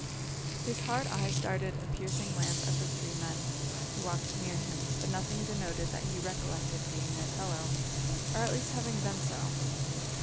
His hard eyes darted a piercing glance at the three men, who walked near him, but nothing denoted that he recollected being their fellow, or at least having been so.